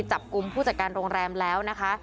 จับกลุ่มผู้จัดการโรงแรมแล้วนะคะ